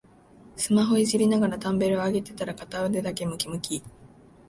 スマホいじりながらダンベル上げてたら片腕だけムキムキ